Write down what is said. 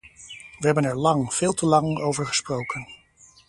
Wij hebben er lang, veel te lang, over gesproken.